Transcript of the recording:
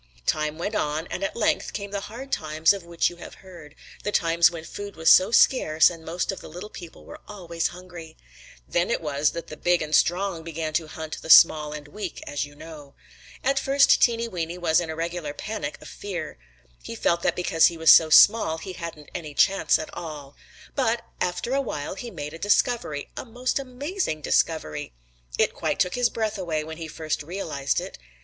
"Time went on, and at length came the hard times of which you have heard, the times when food was so scarce and most of the little people were always hungry. Then it was that the big and strong began to hunt the small and weak, as you know. At first Teeny Weeny was in a regular panic of fear. He felt that because he was so small he hadn't any chance at all. But after a while he made a discovery, a most amazing discovery. It quite took his breath away when he first realized it.